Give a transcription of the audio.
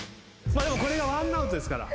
これがワンアウトですから。